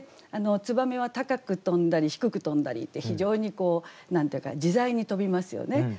燕は高く飛んだり低く飛んだりって非常にこう何て言うか自在に飛びますよね。